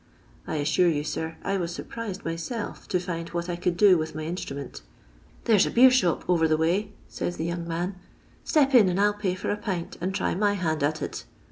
I assure you, sir, I was surprised myself to find what I could do with my instru ment. ' There 's a beershop over the way,' says the young man, ' step in, and I '11 pay for a pint, and try my hand at it.'